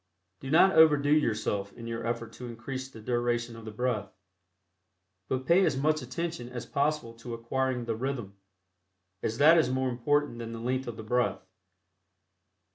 Do not overdo yourself in your effort to increase the duration of the breath, but pay as much attention as possible to acquiring the "rhythm," as that is more important than the length of the breath.